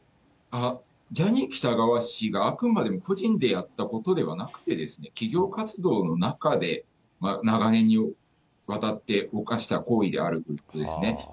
ジャニー喜多川氏があくまでも個人でやったことではなくてですね、企業活動の中で、長年にわたって犯した行為であるということですね。